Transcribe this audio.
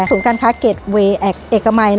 สูญการค้าเกรดเวย์เอกมัย